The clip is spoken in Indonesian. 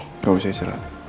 enggak usah istirahat